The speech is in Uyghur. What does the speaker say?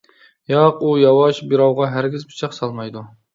-ياق، ئۇ ياۋاش، بىراۋغا ھەرگىز پىچاق سالمايدۇ.